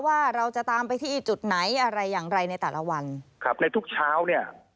ว่าเราจะตามไปที่จุดไหนอะไรอย่างไรในแต่ละวันครับในทุกเช้าเนี่ย